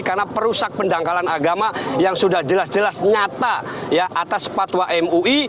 karena perusak pendangkalan agama yang sudah jelas jelas nyata atas patwa mui